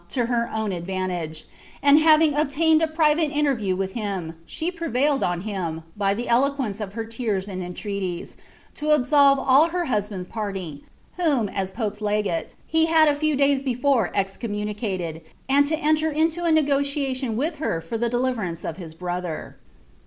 In her otni adTaninge; and, having ohuitml a prinu interview wiih him, she prevtiilcd on him, by ilie eluquence of hec Iran and enlreatiest to absolve all her husbund'a party, vrhoin. as [x^'i legate, he had a Tew day* before excornniunieateU, and U> enier into t Re|;otialion with her for ihe deliverance of his brother.'